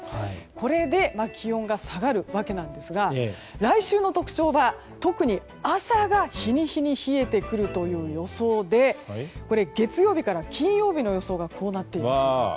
これで気温が下がるわけなんですが来週の特徴は、特に朝が日に日に冷えてくるという予想で月曜日から金曜日の予想がこうなっています。